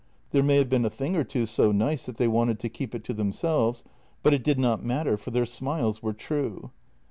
JENNY 209 There may have been a thing or two so nice that they wanted to keep it to themselves, but it did not matter, for their smiles were true.